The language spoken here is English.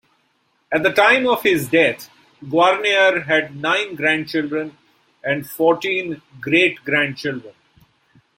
At the time of his death, Guarnere had nine grandchildren and fourteen great-grandchildren.